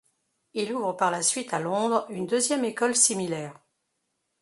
Il ouvre par la suite à Londres une deuxième école similaire.